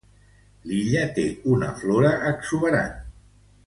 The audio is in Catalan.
L'illa té una flora exuberant.